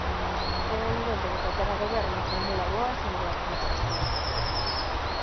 É evidente que calquera Goberno formula boas e malas propostas.